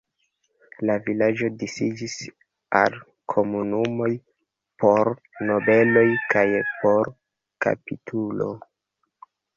La vilaĝo disiĝis al komunumoj por nobeloj kaj por kapitulo.